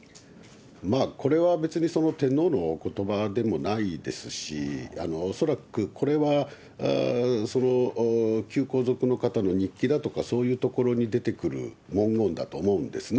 これは別にその天皇のおことばでもないですし、恐らくこれは、旧皇族の方の日記だとか、そういうところに出てくる文言だと思うんですね。